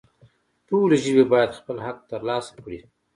ټولې ژبې باید خپل حق ترلاسه کړي